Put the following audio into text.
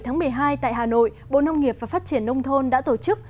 ngày một mươi hai tại hà nội bộ nông nghiệp và phát triển nông thôn đã tổ chức